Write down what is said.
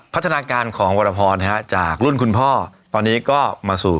พัฒนาการของวรพรจากรุ่นคุณพ่อตอนนี้ก็มาสู่